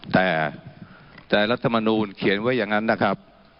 แต่แต่รัฐมนูลเขียนไว้อย่างนั้นนะครับ